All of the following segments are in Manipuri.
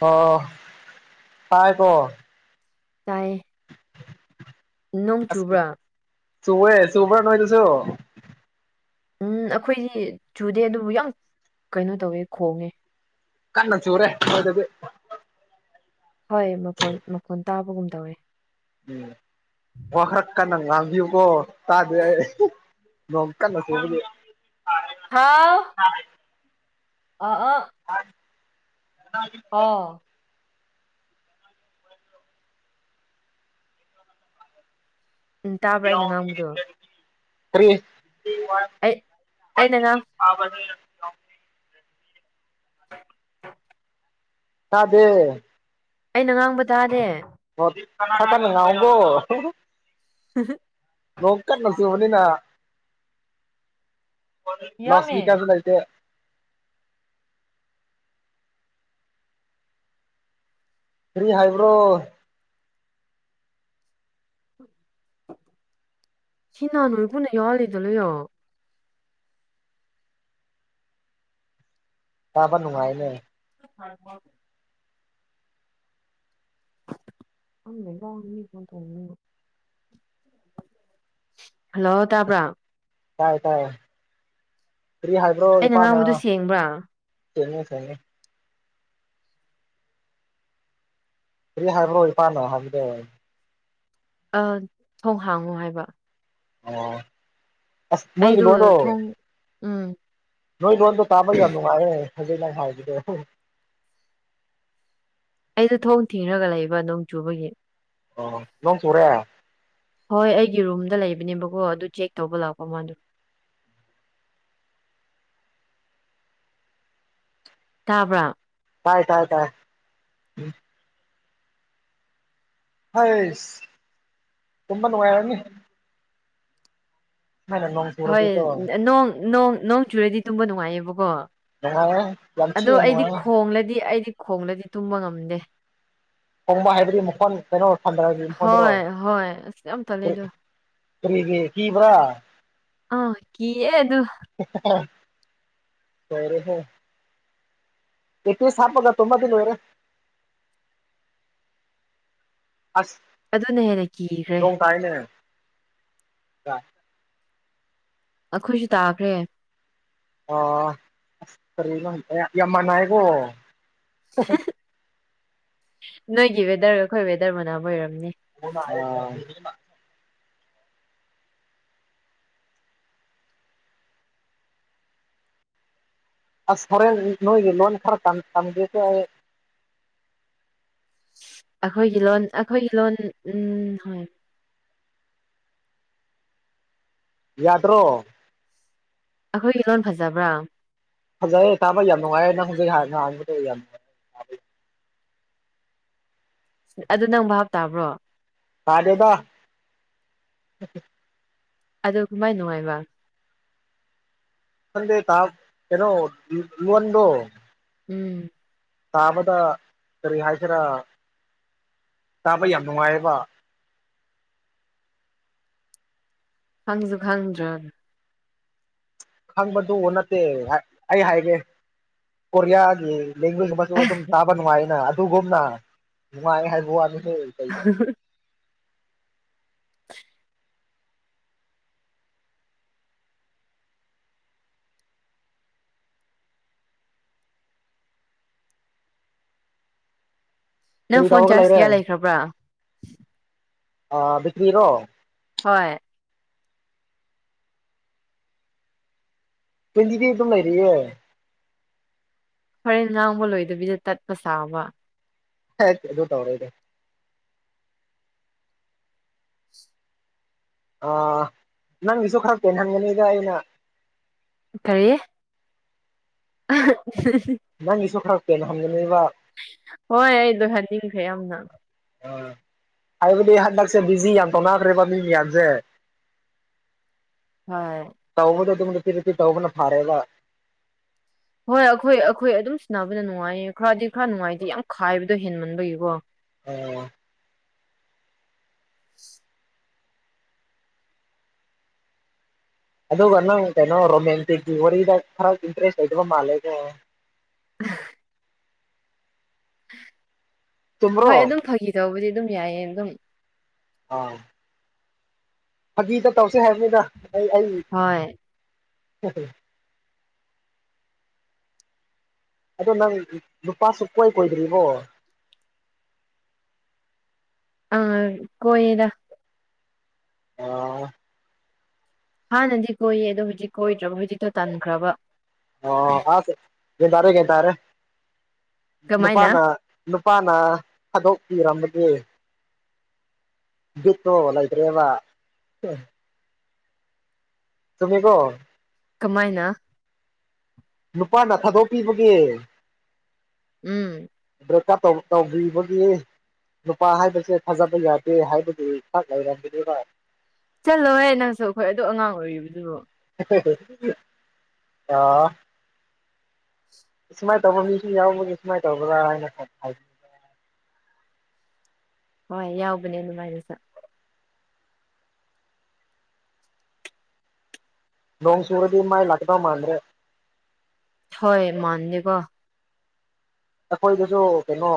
ꯑꯣ ꯇꯥꯏ ꯀꯣ꯫ ꯇꯥꯏꯌꯦ꯫ ꯅꯣꯡ ꯑꯁ ꯆꯨꯕ꯭ꯔꯥ꯫ ꯆꯨꯋꯦ ꯆꯨꯔꯕꯔ ꯅꯣꯏꯗꯨꯁꯨ꯫ ꯎꯝ ꯑꯩꯈꯣꯏꯗꯤ ꯆꯨꯗꯦ ꯑꯗꯨꯕꯨ ꯌꯥꯝ ꯀꯩꯅꯣ ꯇꯧꯋꯦ ꯈꯣꯡꯉꯦ꫰꫰ ꯀꯟꯅꯆꯨꯔꯦ ꯑꯈꯣꯏꯗꯗꯤ꯫ ꯍꯣꯏ ꯃꯄꯣꯟ ꯃꯈꯣꯟ ꯇꯥꯕꯒꯨꯝ ꯇꯧꯋꯦ꯫ ꯎꯝ ꯋꯥꯈꯔ ꯀꯟꯅ ꯉꯥꯡꯕꯤꯌꯨꯀꯣ ꯇꯥꯗ ꯃ ꯀꯅ ꯁꯕ ꯍꯥꯥꯎ ꯍ ꯑ ꯑꯥ ꯑ ꯑꯣ ꯎꯝ ꯇꯥꯕ꯭ꯔꯥ ꯑꯩꯅ ꯉꯥꯡꯕꯗꯣ ꯀ ꯑꯩ ꯑꯩꯅ ꯉꯥꯡ [unintelligible] ꯑꯥꯕꯅꯦ ꯇꯗꯦ꯫ ꯑꯩꯅ ꯉꯥꯡꯕ ꯇꯥꯗꯦ꯫ [unintelligible] [unintelligible] ꯅꯣꯛꯀꯥꯟꯅ ꯆꯨꯕꯅꯤꯅ꯫ ꯂꯥꯎꯠ ꯌꯥꯝꯃꯦ ꯏꯁꯄꯤꯀꯥꯔꯗꯤ ꯂꯩꯇꯦ꯫ ꯀꯔꯤ ꯍꯥꯏꯕ꯭ꯔꯣ꯫ [unintelligible] ꯇꯥꯕ ꯅꯨꯡꯉꯥꯏꯅꯦ [inaudible] ꯑ ꯃꯦꯒꯃꯤ ꯐ ꯇꯣꯡ ꯍꯜꯂꯣ ꯇꯕ꯭ꯔ ꯇꯥꯏ ꯇꯥꯏ ꯐ꯭ꯔꯤ ꯍꯥꯏꯗ꯭ꯔꯣ ꯑꯩꯅ ꯏꯄꯥ ꯅ ꯉꯥꯡꯕꯗꯨ ꯁꯦꯡꯕ꯭ꯔꯥ ꯁꯦꯝꯦꯡꯅꯤ ꯁꯦꯡꯅꯤ ꯀꯔꯤ ꯍꯥꯏꯕ꯭ꯔꯣ ꯏꯄꯥꯅ ꯍꯥꯏꯕꯗ ꯑ ꯊꯣꯡ ꯍꯥꯡꯉꯨ ꯍꯥꯏꯕ ꯑꯣ ꯑꯁ ꯑꯩꯗꯣ ꯅꯣꯏꯒꯗꯣ ꯊꯣꯡ ꯎꯝ ꯅꯣꯏ ꯂꯣꯟꯗꯣ ꯇꯥꯕ ꯌꯥꯝ ꯅꯨꯡꯉꯥꯏꯔꯦ ꯍꯧꯖꯤꯛ ꯅ ꯍꯥꯏꯕꯗ ꯑꯩꯗꯣ ꯊꯣꯡ ꯊꯤꯔꯒ ꯂꯩꯕ ꯅꯣꯡ ꯆꯨꯕꯒꯤ ꯑꯣ ꯅꯪ ꯆꯣꯔꯦ ꯍꯣꯏ ꯑꯩꯒꯤ ꯔꯨꯝꯗ ꯂꯩꯕꯅꯦꯕꯀꯣ ꯑꯗꯨ ꯆꯦꯛ ꯇꯧꯕ ꯂꯥꯛꯄ ꯃꯗ ꯇꯥꯕ꯭ꯔꯥ ꯍꯥꯏꯥꯏ ꯇꯣꯏꯥꯏ ꯇ ꯍꯣꯏꯁ ꯇꯨꯝꯃ ꯅꯨꯡꯉꯥꯏꯔꯅꯤ ꯃ ꯍꯣꯏ ꯅꯣꯡ ꯅꯣꯡ ꯅꯣꯡ ꯆꯨꯔꯗꯤ ꯇꯨꯝꯕ ꯅꯨꯡꯉꯥꯏꯌꯦꯕꯀꯣ ꯅꯨꯡꯉꯥꯏꯌꯦ ꯌꯥꯝ ꯑꯣ ꯊꯤꯅ ꯑꯩꯗꯤ ꯅꯨꯡꯉꯥꯏꯌꯦ ꯈꯣꯡꯂꯗꯤ ꯑꯩꯗꯤ ꯈꯣꯡꯂꯗꯤ ꯇꯨꯝꯕ ꯉꯝꯗꯦ ꯍꯣꯡꯕ ꯍꯥꯏꯕꯗꯤ ꯃꯈꯣꯟ ꯀꯩꯅꯣ ꯊꯟꯗꯔꯗꯤ ꯃꯈꯣꯟꯗꯨꯔꯣ ꯍꯣꯏ ꯍꯣꯏ ꯑꯁ ꯌꯥꯝ ꯇꯜꯂꯦ ꯑꯗꯣ ꯔꯤꯒ ꯀ ꯚ꯭ꯔꯥ ꯑ ꯀꯑꯦ ꯑꯗꯨ ꯑꯗꯨ ꯁꯔꯦ ꯍ ꯑꯦꯠꯇꯤꯁ ꯁꯥꯄꯒ ꯇꯣꯝꯕꯗꯤꯤꯟ ꯑꯣꯏꯔꯦ ꯑꯗꯨꯅ ꯍꯦꯟꯅ ꯀꯤꯈ꯭ꯔꯦ ꯑꯁꯣꯡ ꯇꯥꯏꯅꯦ ꯑꯩꯈꯣꯏꯁꯨ ꯇꯥꯈ꯭ꯔꯦ ꯑ ꯑꯁ ꯀꯔꯤꯅ ꯌꯥꯝ ꯃꯥꯟꯅꯏꯀꯣ ꯅꯣꯏꯒꯤ ꯋꯦꯗꯔꯒ ꯑꯩꯈꯣꯏ ꯋꯦꯗꯔ ꯃꯅꯥꯝ ꯑꯣꯏꯔꯝꯅꯤ ꯃ ꯑꯁ ꯈꯔꯦꯟ ꯅꯣꯏꯒꯤ ꯂꯣꯟ ꯈꯔ ꯇꯝꯒꯦꯁꯦ ꯑꯩ ꯑꯩꯈꯣꯏꯒꯤ ꯂꯣꯟ ꯑꯩꯈꯣꯏꯒꯤ ꯂꯣꯟ ꯎꯝ ꯍꯣꯏ ꯌꯥꯗ꯭ꯔꯣ ꯑꯩꯈꯣꯏꯒꯤ ꯂꯣꯟ ꯐꯖꯕ꯭ꯔꯥ ꯐꯖꯩꯦ ꯇꯥꯕ ꯌꯥꯝ ꯅꯨꯡꯉꯥꯏꯌꯦ ꯅꯪ ꯍꯧꯖꯤꯛ ꯍꯥꯟꯅꯍꯥꯡꯥꯟꯕꯗꯣ ꯌꯥꯝ ꯑꯗꯨ ꯅꯪ ꯕꯞ ꯇꯥꯕ꯭ꯔꯣ ꯇꯥꯗꯦꯗ ꯑꯗꯨ ꯀꯃꯥꯏ ꯅꯨꯡꯉꯥꯏꯕ ꯈꯟꯗꯦ ꯇꯥꯝ ꯀꯩꯅꯣ ꯂꯣ ꯂꯣꯟꯗꯣ ꯎꯝ ꯇꯥꯕꯗ ꯀꯔꯤ ꯍꯥꯏꯒꯦꯔꯥ ꯇꯥꯕ ꯌꯥꯝ ꯅꯨꯡꯉꯥꯏꯌꯦꯕ ꯈꯪꯁꯨ ꯈꯪꯗ꯭ꯔ ꯈꯪꯕꯗꯨ ꯅꯠꯇꯦ ꯑ ꯑꯩ ꯍꯥꯏꯒꯦ ꯀꯣꯔꯤꯌꯥꯒꯤ ꯂꯦꯡꯒ꯭ꯋꯦꯖ ꯑꯃꯁꯨ ꯑꯗꯨꯝ ꯇꯥꯕ ꯅꯨꯡꯉꯥꯏꯅ ꯑꯗꯨꯒꯨꯝꯅ ꯅꯨꯡꯉꯥꯏ ꯍꯥꯏꯕ ꯋꯥꯅꯤꯁꯦ ꯀꯩ [inaudible] ꯅꯪ ꯀꯔꯤ ꯐꯣꯟ ꯇꯧꯔꯒ ꯆꯥꯔꯖ ꯂꯩꯔꯦ ꯀꯌꯥ ꯂꯩꯈ꯭ꯔꯕ꯭ꯔꯥ ꯕꯤꯀ꯭ꯔꯤꯔꯣ ꯍꯣꯏ ꯇ꯭ꯋꯦꯟꯤ ꯐꯤ ꯑꯗꯨꯝ ꯂꯩꯔꯤꯑꯌꯦ ꯍꯣꯔꯦꯟ ꯉꯥꯡꯕ ꯂꯣꯏꯗꯕꯤꯗ ꯇꯠꯄ ꯁꯥꯕ ꯍꯥꯏ ꯗ ꯇꯔꯦꯗꯣ ꯑ ꯅꯪꯒꯤꯁꯨ ꯈꯔ ꯄꯦꯟꯍꯟꯒꯅꯤꯗ ꯑꯩꯅ ꯀꯔꯤ [unintelligible] ꯅꯪꯒꯤꯁꯨ ꯈꯔ ꯄꯦꯟꯍꯟꯒꯅꯦꯕ ꯍꯣꯏ ꯑꯩ ꯂꯣꯢꯍꯟꯅꯤꯡꯈ꯭ꯔꯦ ꯌꯥꯝꯅ ꯑ ꯍꯥꯏꯕꯗꯤ ꯍꯟꯗꯛꯁꯦ ꯕꯤꯖꯤ ꯌꯥꯝ ꯇꯧꯅꯈ꯭ꯔꯦꯕ ꯃꯤ ꯃꯌꯥꯝꯁꯦ [inaudible] ꯍꯣꯏ ꯇꯧꯕꯗꯣ ꯑꯗꯨꯝ ꯅꯨꯇꯤ ꯅꯨꯇꯤ ꯇꯧꯕꯅ ꯐꯥꯔꯦꯕ ꯍꯣꯏ ꯑꯩꯈꯣꯏ ꯑꯩꯈꯣꯏ ꯑꯗꯨꯝ ꯁꯥꯟꯅꯕꯅ ꯅꯨꯡꯉꯥꯏꯌꯦ ꯈꯔꯗꯤ ꯈꯔ ꯅꯨꯡꯉꯥꯏꯇꯦ ꯌꯥꯝ ꯈꯥꯏꯕꯗꯣ ꯍꯦꯟꯃꯟꯕꯒꯤꯀꯣ ꯑꯝ ꯑꯗꯨꯒ ꯅꯪ ꯀꯩꯅꯣ ꯔꯣꯃꯦꯟꯇꯤꯛꯀꯤ ꯋꯥꯔꯤꯗ ꯈꯔ ꯏꯟꯇꯔꯦꯁ ꯂꯩꯗꯕ ꯃꯥꯜꯂꯦ ꯀꯣ [unintelligible] ꯍ ꯍꯣꯏ ꯆꯨꯝꯕ꯭ꯔꯣ ꯑꯗꯨꯝ ꯐꯒꯤ ꯇꯧꯕꯗꯤ ꯑꯗꯨꯝ ꯌꯥꯏꯌꯦ ꯑꯗꯨꯝ ꯑꯥ ꯐꯥꯒꯤꯗ ꯇꯧꯁꯦ ꯍꯥꯏꯕꯅꯤꯗ ꯑꯩ ꯍꯣꯏ ꯑꯩ [unintelligible] ꯑꯗꯣ ꯅꯪ ꯅꯨꯨꯄꯥ ꯁꯨꯀꯣꯏ ꯀꯣꯏꯗ꯭ꯔꯤꯕꯣ ꯑꯥ ꯀꯣꯏꯌꯦꯗ ꯑꯥ ꯍꯥꯟꯅꯗꯤ ꯀꯣꯏꯌꯦ ꯑꯗꯣ ꯍꯧꯖꯤꯛ ꯀꯣꯏꯗ꯭ꯔꯕ ꯍꯧꯖꯤꯛꯇꯣ ꯇꯟꯈ꯭ꯔꯕ꯫ ꯑꯣ ꯑꯗ ꯒ꯭ꯌꯥꯟꯇꯥꯔꯦ ꯒ꯭ꯌꯥꯟꯇꯔꯦ ꯀꯃꯥꯏꯅ ꯅꯨꯄꯥꯅ ꯅꯨꯄꯥꯅ ꯊꯥꯗꯣꯛꯄꯤꯔꯝꯕꯒꯦ ꯕꯤꯠꯇꯣ ꯂꯩꯇ꯭ꯔꯦꯕ ꯍꯨꯝ ꯆꯨꯃꯦꯀꯣ꯫ ꯀꯃꯥꯏꯅ ꯅꯨꯄꯥꯅ ꯊꯥꯗꯣꯛꯄꯤꯕꯒꯤ ꯎꯝ꯫ ꯕ꯭ꯔꯦꯛꯀꯞ ꯇꯧꯕꯤ ꯇꯧꯕꯤꯕꯒꯤ ꯅꯨꯄꯥ ꯍꯥꯏꯕꯁꯦ ꯊꯥꯖꯕ ꯌꯥꯗꯦ ꯍꯥꯏꯕꯗꯨ ꯈꯛ ꯂꯩꯔꯝꯃꯤꯅꯦꯕ ꯆꯠꯂꯣꯍꯦ ꯅꯪꯁꯨ ꯑꯩꯈꯣꯏ ꯑꯗꯨꯛ ꯑꯉꯥꯡ ꯑꯣꯏꯔꯤꯕꯗꯨꯕꯨ꯫ [unintelligible] ꯑꯥ꯫ ꯁꯨꯃꯥꯏ ꯇꯧꯕ ꯃꯤꯁꯨ ꯌꯥꯎꯕꯒꯤ ꯁꯨꯃꯥꯏ ꯇꯧꯕ꯭ꯔꯥ ꯍꯥꯏꯅ [unintelligible] ꯍꯣꯏ ꯌꯥꯎꯕꯅꯦ ꯑꯗꯨꯃꯥꯏꯅ [unintelligible] ꯅꯣꯡ ꯁꯆꯨꯔꯗꯤ ꯃꯥꯏ ꯂꯛꯀꯗꯧ ꯃꯥꯥꯟꯗ꯭ꯔꯦ ꯍꯣꯏ ꯃꯥꯟꯗꯦ ꯀꯣ ꯑꯩꯈꯣꯏꯗꯁꯨ ꯀꯩꯅꯣ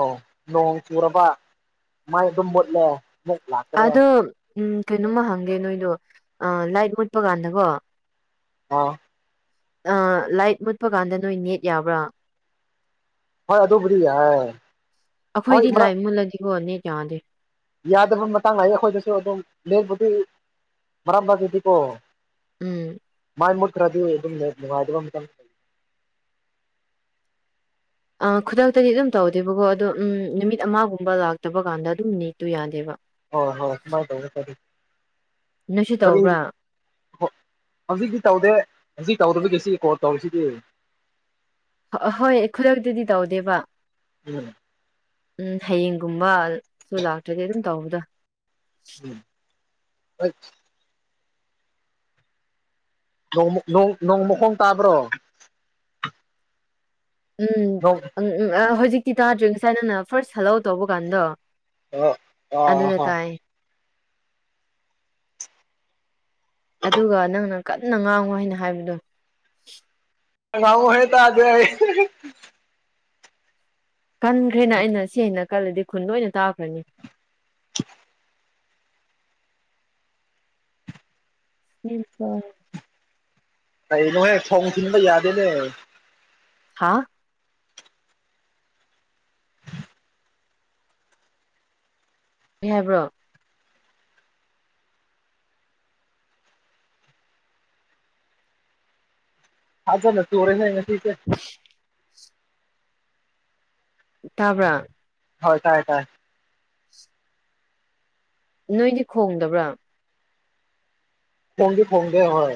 ꯅꯣꯡ ꯆꯨꯔꯕ ꯃꯩ ꯑꯗꯨꯝ ꯃꯨꯠꯂꯦ ꯑꯃꯨꯛ ꯂꯥꯛ꯫ ꯑꯗꯣ ꯎꯝ ꯀꯩꯅꯣꯝꯃ ꯍꯪꯒꯦ ꯅꯣꯏꯗꯣ ꯑ ꯂꯥꯏꯠ ꯃꯨꯠꯄ ꯀꯥꯟꯗꯀꯣ ꯑꯥ꯫ ꯑ ꯂꯥꯏꯠ ꯃꯨꯠꯄ ꯀꯥꯟꯗ ꯅꯣꯏ ꯅꯦꯠ ꯌꯥꯕ꯭ꯔꯥ ꯍꯣꯏ ꯑꯗꯨꯕꯨ ꯑꯩꯈꯣꯏꯗꯤ ꯂꯥꯏ ꯃꯨꯜꯂꯗꯤ ꯍꯣꯠꯅꯦ ꯌꯥꯗꯗꯤ ꯌꯥꯗꯕ ꯃꯇꯥꯡ ꯂꯥꯛꯑꯦ ꯑꯩꯈꯣꯏꯗꯁꯨ ꯑꯗꯨꯝ ꯂꯦꯡꯕꯨꯗꯤ ꯃꯔꯥꯡ ꯃꯔꯥꯏꯒꯤꯗꯤꯀꯣ ꯎꯝ ꯃꯥꯏ ꯃꯨꯠꯈ꯭ꯔꯗꯤ ꯑꯗꯨꯝ ꯅꯦꯠ ꯅꯨꯅꯥꯏꯇꯕ [unintelligible] ꯑ ꯈꯨꯗꯛꯇꯗꯤ ꯑꯗꯨꯝ ꯇꯧꯗꯦꯕꯀꯣ ꯑꯗꯣ ꯎꯝ ꯅꯨꯃꯤꯠ ꯑꯃꯒꯨꯝꯕ ꯂꯥꯛꯇꯕ ꯀꯥꯟꯗ ꯑꯗꯨꯝ ꯃꯤꯅꯤꯠꯇꯨ ꯌꯥꯗꯦꯕ ꯍ ꯍꯣꯏ ꯁꯃꯥꯏ ꯇꯧ ꯐꯔꯤ ꯅꯣꯏꯁꯨ ꯀꯔꯤ ꯇꯧꯕ꯭ꯔꯥ ꯍꯣ ꯍꯧꯖꯤꯛꯇꯤ ꯇꯧꯗꯦ ꯍꯧꯖꯤꯛ ꯇꯧꯔꯤꯕꯒꯤꯁꯤ ꯀꯣꯜ ꯇꯧꯔꯤꯁꯤꯗꯤ ꯑꯍꯣꯏ ꯈꯨꯗꯛꯇꯗꯤ ꯇꯧꯗꯦꯕ ꯎꯝ ꯎꯝ ꯍꯌꯦꯡꯒꯨꯝꯕ ꯁꯨ ꯂꯥꯛꯇ꯭ꯔꯗꯤ ꯑꯗꯨꯝ ꯇꯧꯕꯗꯣ ꯎꯝ [inaudible] ꯅꯣꯡ ꯃꯈꯣꯡ ꯇꯥꯕ꯭ꯔꯣ ꯎꯝ ꯅꯣꯡ ꯑꯝ ꯎꯝ ꯑ ꯍꯧꯖꯤꯛꯇꯤ ꯇꯥꯗ꯭ꯔꯤ ꯉꯁꯥꯏ ꯅꯪꯅ ꯐꯥꯔꯁ ꯍꯜꯂꯣ ꯇꯧꯕ ꯀꯥꯟꯗꯣ꯫ ꯑꯣ ꯑ ꯑ ꯑꯗꯨꯗ ꯍ ꯇꯥꯏ ꯑꯗꯨꯒ ꯅꯪꯅ ꯀꯟꯅ ꯉꯥꯡꯉꯣ ꯍꯥꯏꯅ ꯍꯥꯏꯕꯗꯣ ꯉꯥꯎ ꯍꯦ ꯇꯥꯖꯦ꯫ ꯀꯟꯈ꯭ꯔꯦꯅ ꯑꯩꯅ ꯁꯤ ꯑꯩꯅ ꯀꯜꯂꯗꯤ ꯈꯨꯟ ꯂꯣꯏ ꯑꯣꯏꯅ ꯇꯥꯈ꯭ꯔꯅꯤ ꯍꯁꯨ ꯀꯩꯅꯣꯍꯦ ꯊꯣꯡ ꯊꯤꯟꯕ ꯌꯥꯗꯦꯅꯦ꯫ ꯍꯥꯥ ꯑꯦ ꯍꯥꯏꯕ꯭ꯔꯣ꯫ ꯍꯥꯖꯅ ꯇꯔꯦꯁ ꯉ ꯁꯤꯦ ꯍ ꯇꯥꯕ꯭ꯔꯥ꯫ ꯍꯣꯏ ꯇꯥꯏꯦ ꯇꯥꯏ ꯅꯣꯏꯗꯤ ꯈꯣꯡꯗꯕ꯭ꯔꯥ ꯍꯣꯡ ꯐꯣꯡꯒꯦ ꯍꯣꯏ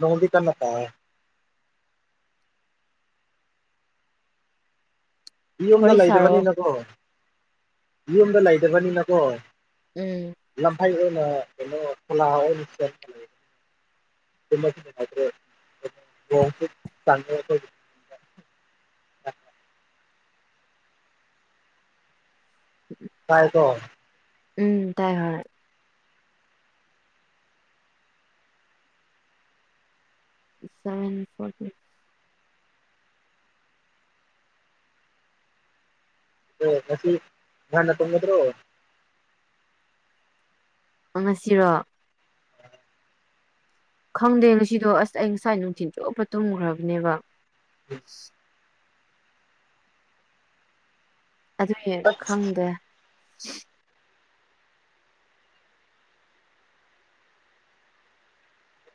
ꯂꯣꯡꯗꯤ ꯀꯅꯆꯥ ꯌꯨꯝꯗ ꯋꯥꯔꯤ ꯁꯥꯔꯣ ꯂꯩꯗꯕꯅꯤꯅꯀꯣ ꯌꯨꯝꯗ ꯂꯩꯗꯕꯅꯤꯅꯀꯣ꯫ ꯎꯝ꯫ ꯂꯝꯐꯩ ꯑꯣꯏꯅ ꯀꯩꯅꯣ ꯈꯣꯂꯥ [inaudible] [unintelligible] [unintelligible] ꯀꯥꯏ ꯀꯣ ꯎꯝ ꯇꯥꯏ ꯍꯔꯦ ꯁꯚꯦꯟ ꯐꯣꯔꯇꯤ ꯑꯣ ꯃꯁꯤꯁꯤ ꯅ ꯇꯉꯗ꯭ꯔꯣ ꯉꯁꯤꯔꯣ ꯈꯪꯗꯦ ꯉꯁꯤꯗꯣ ꯑꯁ ꯑꯩ ꯉꯁꯥꯏ ꯅꯨꯡꯊꯤꯟ ꯆꯨꯞꯄ ꯇꯨꯝꯈ꯭ꯔꯕꯅꯦꯕ꯫ ꯎꯝ ꯑꯗꯨꯒꯤ ꯑꯁ ꯈꯪꯗꯦ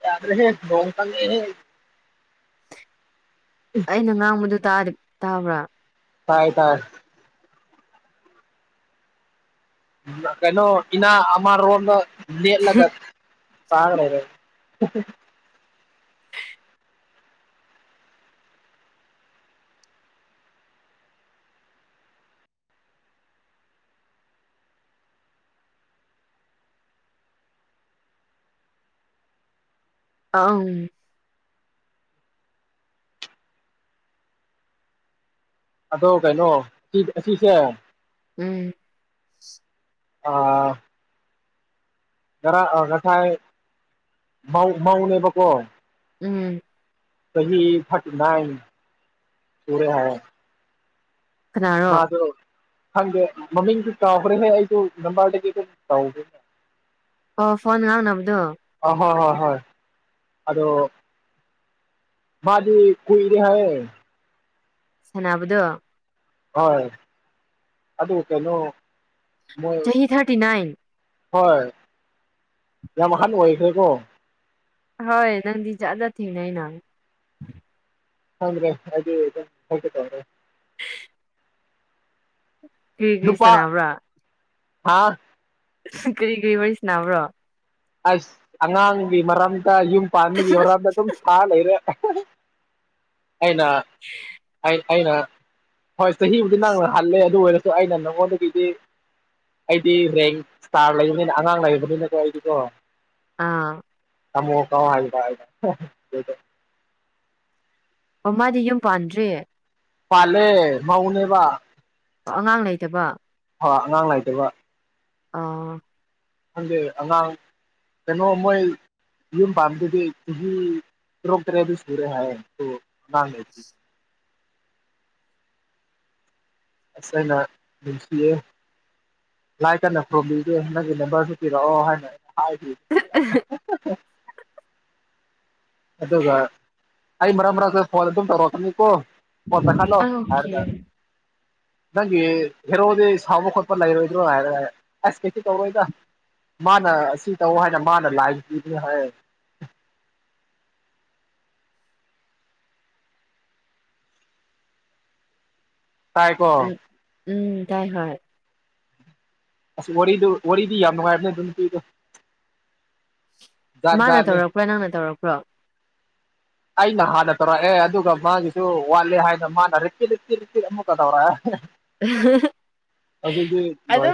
ꯌꯥꯗ꯭ꯔꯦ ꯍꯦ ꯂꯣꯟ ꯐ ꯑꯩꯅ ꯉꯥꯡꯕꯗꯨ ꯇꯗꯤ ꯇꯥꯕ꯭ꯔꯥ ꯇꯥꯏ ꯇꯥꯏ ꯀꯩꯅꯣ ꯏꯅꯥ ꯑꯥꯡ ꯔꯣꯟꯗ ꯅ ꯂ ꯆꯥꯒꯗꯥꯎꯂꯦ ꯑꯥꯎ ꯑꯗꯣ ꯀꯩꯅꯣ ꯑꯁꯤꯁꯦ ꯎꯝ ꯑ ꯔ ꯉꯁꯥꯏ ꯃꯧꯅꯦꯕꯀꯣ ꯎꯝ꯫ ꯀ ꯆꯍꯤ ꯐꯏ ꯄꯔꯦ ꯍꯥꯏ ꯀꯅꯥꯔꯣ ꯃꯥꯗꯣ ꯈꯪꯗꯦ ꯃꯃꯤꯡꯗꯨ ꯀꯥꯎꯈ꯭ꯔꯦꯍꯦ ꯑꯩꯁꯨ ꯅꯝꯕꯔꯗꯒꯤ ꯑꯗꯨꯝ ꯇꯧꯒꯦ꯫ ꯑꯣ ꯐꯣꯟ ꯉꯥꯡꯅꯕꯗꯣ ꯑ ꯍꯣꯏ ꯍꯣꯏ ꯍꯣꯏ ꯑꯗꯣ꯫ ꯃꯥꯗꯤ ꯀꯨꯏꯔꯦ ꯍꯥꯏꯌꯦ꯫ ꯁꯅꯥꯕꯗꯣ ꯍꯣꯏ ꯑꯗꯨ ꯀꯩꯅꯣ꯫ ꯃꯣꯏ ꯆꯍꯤ ꯊꯥꯔꯇꯤ ꯅꯥꯏꯟ꯫ ꯍꯣꯏ ꯌꯥꯝ ꯃꯈꯜ ꯑꯣꯏꯈ꯭ꯔꯦꯀꯣ ꯍꯣꯏ ꯅꯪꯗꯤ ꯆꯥꯅ ꯊꯦꯡꯅꯩ ꯅꯪ ꯍꯗ꯭ꯔꯦ ꯑꯗꯨ ꯍ꯭ꯔꯦ ꯀ꯭ꯔꯤ ꯀ꯭ꯔꯤ ꯁꯥꯟꯅꯕ꯭ꯔꯥ꯫ ꯍꯥꯥ ꯀꯔꯤ ꯀꯔꯤ ꯋꯥꯔꯤꯁꯤꯅꯥꯕ꯭ꯔꯣ ꯑꯁ ꯑꯉꯥꯡꯒꯤ ꯃꯔꯝꯗ ꯌꯨꯝ ꯄꯥꯟꯕꯒꯤ ꯃꯔꯝꯗ ꯑꯗꯨꯝ ꯁꯥ ꯂꯩꯔꯦ꯫ ꯑꯩꯅ ꯑꯩ꯫ ꯑꯩꯅ ꯍꯣꯏ ꯆꯍꯤꯕꯨꯗꯤ ꯅꯪꯅ ꯍꯜꯂꯦ ꯑꯗꯨ ꯑꯣꯏꯔꯁꯨ ꯑꯩꯅ ꯅꯪꯉꯣꯟꯗꯒꯤꯗꯤ ꯑꯩꯗꯤ ꯔꯦꯡ ꯏꯁꯇꯥꯔ ꯂꯩꯕꯅꯤꯅ ꯑꯉꯥꯡ ꯂꯩꯔꯕꯅꯤꯅꯀꯣ ꯑꯩꯗꯤꯀꯣ ꯑꯥ ꯁꯃꯨ ꯍꯥꯏꯗ ꯍꯥꯏ ꯑꯣ ꯃꯥꯗꯤ ꯌꯨꯝ ꯄꯥꯟꯗ꯭ꯔꯤ ꯄꯥꯂꯦ ꯃꯥꯎꯅꯦꯕ꯫ ꯑꯣ ꯑꯉꯥꯡ ꯂꯩꯇꯕ ꯍꯣꯏ ꯑꯉꯥꯡ ꯅꯥꯏꯇꯕ ꯑꯥ꯫ ꯈꯪꯗꯦ ꯑꯉꯥꯡ ꯀꯩꯅꯣ ꯃꯣꯏ꯫ ꯌꯨꯝ ꯄꯥꯟꯗꯤꯗꯤꯦ ꯀꯒꯤ ꯔꯣꯛ ꯇꯔꯦꯗꯤ ꯁꯨꯔꯦ ꯍꯥꯏ ꯉꯥꯡ ꯂꯩ ꯑꯁ ꯑꯩꯅ ꯅꯨꯡꯁꯤꯌꯦ꯫ ꯂꯥꯏ ꯀꯟꯅ ꯈꯨꯔꯨꯝꯕꯤꯒꯦ ꯅꯪꯒꯤ ꯅꯝꯕꯔꯁꯨ ꯄꯤꯔꯛꯑꯣ ꯍꯥꯏꯅ ꯑꯩꯅ ꯍꯥꯏ ꯑꯗꯨꯒ ꯑꯩ ꯃꯔ ꯃꯔꯔꯁꯦ ꯐꯣꯟ ꯑꯗꯨꯝ ꯇꯧꯔꯣꯀꯅꯤꯀꯣ ꯐꯗ ꯈꯂꯣ ꯑꯣꯀꯦ ꯍꯥꯏꯔꯀ ꯅꯪꯒꯤ ꯍꯦꯔꯣꯗꯤ ꯁꯥꯎꯕ ꯈꯣꯠꯄ ꯂꯩꯔꯣꯏꯗ꯭ꯔꯣ ꯍꯥꯏꯔꯒ ꯑꯁ ꯀꯩꯁꯨ ꯇꯧꯔꯣꯏꯗ ꯃꯥꯅ ꯑꯁꯤ ꯇꯧ ꯍꯥꯏꯅ ꯃꯥꯅ ꯂꯥꯏ ꯄꯤꯕꯅꯤ ꯍꯥꯏ ꯇꯥꯏꯀꯣ ꯎꯝ ꯇꯥꯏ ꯍ ꯑꯁ ꯋꯥꯔꯤꯗ ꯋꯥꯔꯤꯗꯤ ꯌꯥꯝ ꯅꯨꯡꯉꯥꯏꯕꯅꯦ ꯑꯗꯨ ꯅꯨꯄꯤꯗꯣ ꯖꯥꯠ ꯃꯥꯅ ꯖꯥꯠꯅꯤ ꯇꯧꯔꯛꯄ꯭ꯔꯣ ꯅꯪꯅ ꯇꯧꯔꯛꯄ꯭ꯔꯣ ꯑꯩꯅ ꯍꯥꯟꯅ ꯇꯧꯔꯛꯑꯦ ꯑꯗꯨꯒ ꯃꯥꯒꯤꯁꯨ ꯋꯥꯠꯂꯦ ꯍꯥꯏꯅ ꯃꯥꯅ ꯔꯤꯄꯤꯠ ꯔꯤꯄꯤꯠ ꯔꯤꯄꯤꯠ ꯑꯃꯨꯛꯀ ꯇꯧꯔꯛꯑꯦ꯫ ꯎꯝ ꯑꯗꯨꯗꯤ ꯂꯣꯏ꯫